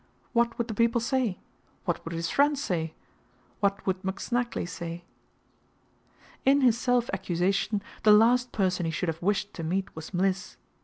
What would the people say? What would his friends say? What would McSnagley say? In his self accusation the last person he should have wished to meet was Mliss.